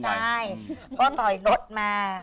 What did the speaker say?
ใช่ก็ถอยรถมา